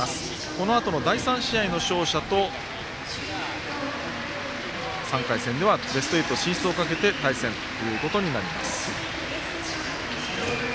このあとの第３試合の勝者と３回戦ではベスト８進出をかけて対戦ということになります。